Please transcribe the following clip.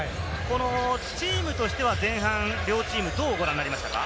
チームとしては前半、両チーム、どうご覧になりましたか？